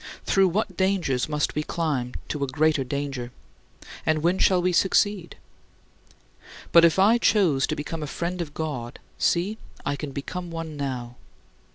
Through what dangers must we climb to a greater danger? And when shall we succeed? But if I chose to become a friend of God, see, I can become one now."